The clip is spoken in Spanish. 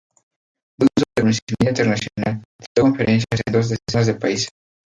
Dado su reconocimiento internacional, dictó conferencias en dos decenas de países.